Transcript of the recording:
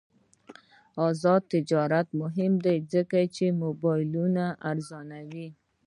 آزاد تجارت مهم دی ځکه چې موبایلونه ارزانوي.